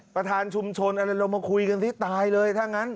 ประธานชุมชนอะไรเรามาคุยกันสิตายเลยถ้างั้น